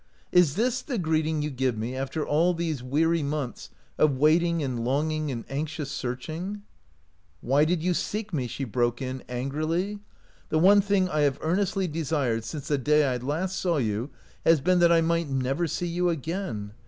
" Is this the greeting you give me after all these weary months of waiting and longing and anxious searching ?"" Why did you seek me ?" she broke in, angrily. "The one thing I have earnestly desired since the day I last saw you has been that I might never see you again.